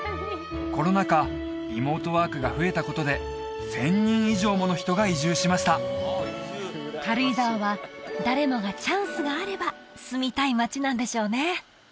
コロナ禍リモートワークが増えたことで１０００人以上もの人が移住しました軽井沢は誰もがチャンスがあれば住みたい町なんでしょうね